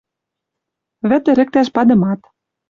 Вӹд ӹрӹктӓш падымат.